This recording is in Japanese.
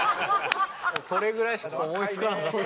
これぐらいしか思い付かなかった。